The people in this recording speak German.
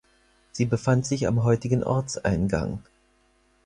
Sie befand sich am heutigen Ortseingang.